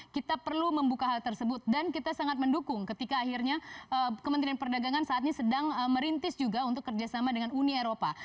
kita perlu membuka hal tersebut dan kita sangat mendukung ketika akhirnya kementerian perdagangan saat ini sedang merintis juga untuk kerjasama dengan uni eropa